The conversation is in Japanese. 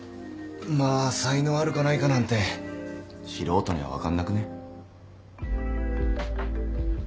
まあ才能あるかないかなんて素人には分かんなくね？